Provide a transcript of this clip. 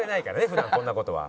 普段こんな事は。